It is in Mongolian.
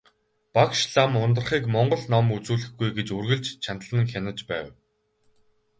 Багш лам Ундрахыг монгол ном үзүүлэхгүй гэж үргэлж чандлан хянаж байв.